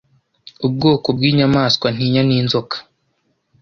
Ubwoko bw'inyamaswa ntinya ni Inzoka